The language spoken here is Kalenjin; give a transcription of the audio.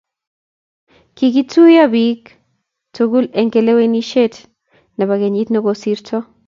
kikituyo biik tugul eng' kalewenisiet nebo kenyit ne kosirto